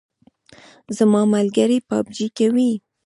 زما ملګری پابجي کوي